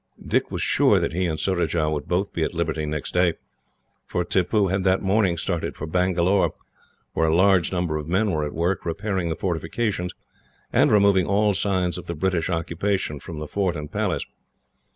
Dick was sure that he and Surajah would both be at liberty next day, for Tippoo had that morning started for Bangalore, where a large number of men were at work, repairing the fortifications and removing all signs of the British occupation from the fort and palace.